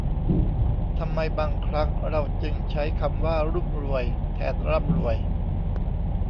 ทำไมบางครั้งเราจึงใช้คำว่ารุ่มรวย แทนร่ำรวย